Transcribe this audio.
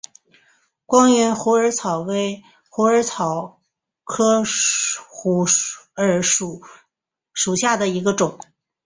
光缘虎耳草为虎耳草科虎耳草属下的一个种。